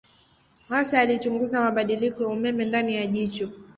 Hasa alichunguza mabadiliko ya umeme ndani ya jicho.